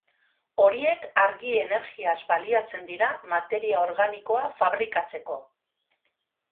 Horiek argi-energiaz baliatzen dira materia organikoa fabrikatzeko.